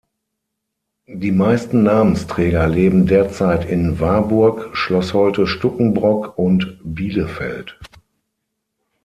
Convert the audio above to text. Die meisten Namensträger leben derzeit in Warburg, Schloß Holte-Stukenbrock und Bielefeld.